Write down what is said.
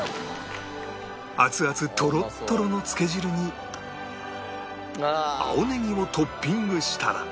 アツアツとろっとろのつけ汁に青ネギをトッピングしたら